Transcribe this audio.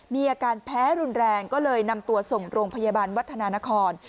มีอาการแพ้รุนแรงก็เลยนำตัวส่งโรงพยาบาลวัฒนานคร